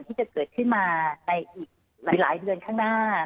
ที่จะเกิดขึ้นมาหลายเวลาข้างหน้า